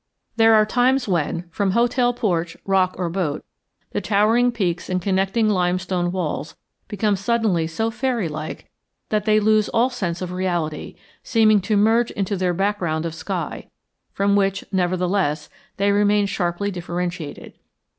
] There are times when, from hotel porch, rock, or boat, the towering peaks and connecting limestone walls become suddenly so fairy like that they lose all sense of reality, seeming to merge into their background of sky, from which, nevertheless, they remain sharply differentiated.